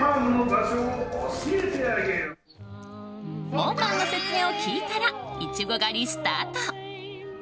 門番の説明を聞いたらイチゴ狩りスタート。